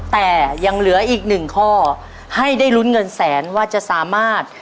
แต่ยังเหลืออีกหนึ่งข้อให้ได้ลุ้นเงินแสนว่าจะสามารถ